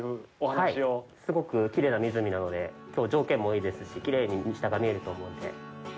はい、すごくきれいな湖なのできょうは条件もいいですしきれいに下が見えると思うので。